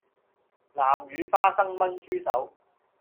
南乳花生炆豬手